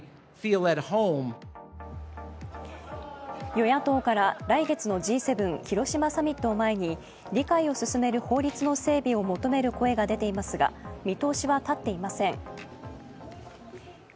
与野党から、来月のＧ７広島サミットを前に理解を進める法律の整備を求める声が出ていますが見通しは立っていません。